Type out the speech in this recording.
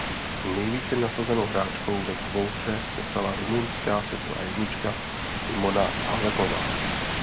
Nejvýše nasazenou hráčkou ve dvouhře se stala rumunská světová jednička Simona Halepová.